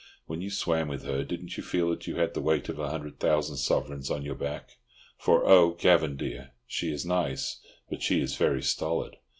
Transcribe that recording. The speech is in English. When you swam with her, didn't you feel that you had the weight of a hundred thousand sovereigns on your back? For oh, Gavan dear, she is nice, but she is very stolid!